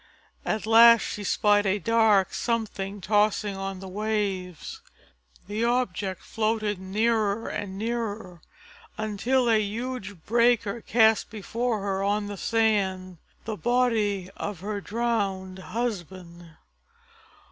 At last she spied a dark something tossing on the waves. The object floated nearer and nearer, until a huge breaker cast before her on the sand the body of her drowned husband.